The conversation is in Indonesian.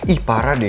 ih parah deh